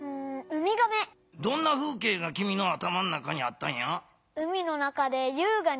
どんなふうけいがきみの頭の中にあったんや？